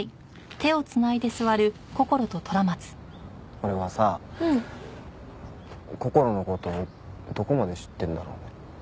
俺はさこころの事どこまで知ってるんだろう。